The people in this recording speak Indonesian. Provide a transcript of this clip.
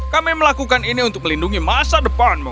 kami melakukan ini untuk melindungi masa depanmu